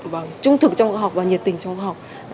và trung thực trong khoa học và nhiệt tình trong khoa học